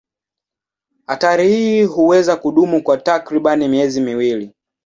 Hatari hii huweza kudumu kwa takriban miezi miwili.